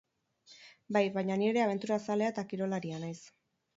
Bai, baina ni ere abenturazalea eta kirolaria naiz.